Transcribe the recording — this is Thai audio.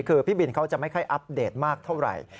คือพี่บินเขาจะไม่ค่อยอัปเดตมากเท่าไหร่